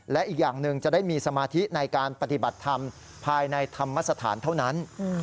และอีกอย่างหนึ่งจะได้มีสมาธิในการปฏิบัติธรรมภายในธรรมสถานเท่านั้น